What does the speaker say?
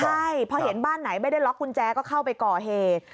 ใช่พอเห็นบ้านไหนไม่ได้ล็อกกุญแจก็เข้าไปก่อเหตุ